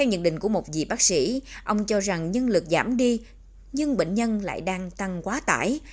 trong bệnh viện của một dị bác sĩ ông cho rằng nhân lực giảm đi nhưng bệnh nhân lại đang tăng quá tải